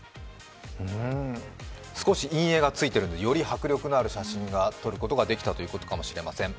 少し陰影がついているのでより迫力がある写真が撮れたということかもしれません。